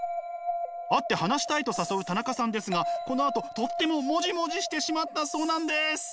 会って話したいと誘う田中さんですがこのあととってもモジモジしてしまったそうなんです。